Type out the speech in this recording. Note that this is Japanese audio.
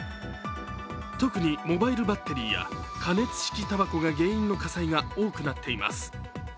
特にモバイルバッテリーや加熱式たばこが原因の火災が多くなっています。